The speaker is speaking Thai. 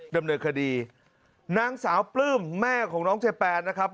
ดำเนินคดีนางสาวปลื้มแม่ของน้องเจแปนนะครับ